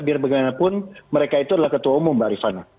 biar bagaimanapun mereka itu adalah ketua umum mbak rifana